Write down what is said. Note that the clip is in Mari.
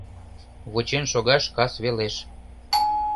Вучен шогаш кас велеш.